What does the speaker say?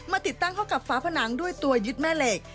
ติดตั้งเข้ากับฝาผนังด้วยตัวยึดแม่เหล็ก